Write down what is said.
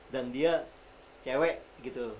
dan dia cewek gitu loh